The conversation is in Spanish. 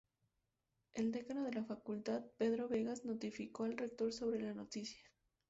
El decano de la facultad, Pedro Vegas, notificó al rector sobre la noticia.